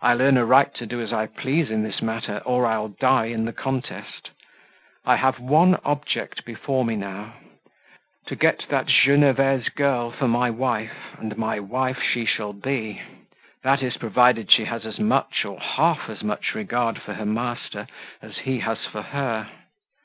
"I'll earn a right to do as I please in this matter, or I'll die in the contest. I have one object before me now to get that Genevese girl for my wife; and my wife she shall be that is, provided she has as much, or half as much regard for her master as he has for her.